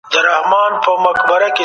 د بشري حقونو سرغړونه د منلو وړ نه ده.